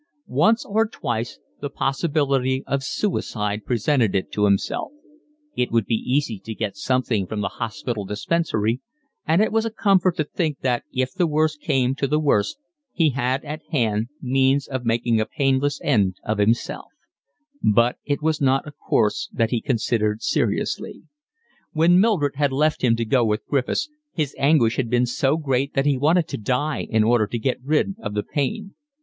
Once or twice the possibility of suicide presented itself to him; it would be easy to get something from the hospital dispensary, and it was a comfort to think that if the worst came to the worst he had at hand means of making a painless end of himself; but it was not a course that he considered seriously. When Mildred had left him to go with Griffiths his anguish had been so great that he wanted to die in order to get rid of the pain.